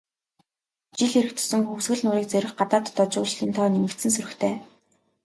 Жил ирэх тусам Хөвсгөл нуурыг зорих гадаад, дотоод жуулчдын тоо нэмэгдсэн сурагтай.